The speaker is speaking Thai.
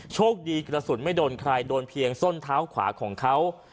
โชคดีกระสุนไม่โดนใครโดนเพียงส้นเท้าขวาของเขา